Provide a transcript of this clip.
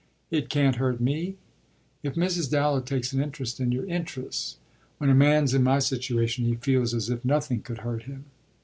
"It can't hurt me?" "If Mrs. Dallow takes an interest in your interests." "When a man's in my situation he feels as if nothing could hurt him."